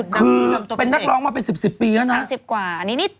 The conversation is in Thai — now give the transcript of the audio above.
คือเป็นนักร้องมาเป็น๑๐ปีแล้วนะ